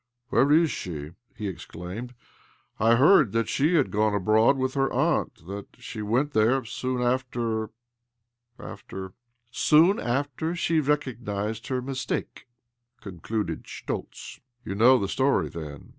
" Where is she ?" he exclaimed. " 1 heard that she had gone abtoad with her aunt— that she went there soon after, after "" Soon after she had recognized her mis take," concluded Schtoltz. "You know the story, then?"